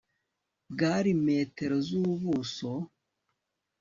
bwari metero z ubuso